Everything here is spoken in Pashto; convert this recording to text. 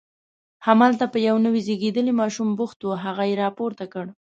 همالته په یو نوي زیږېدلي ماشوم بوخت و، هغه یې راپورته کړ.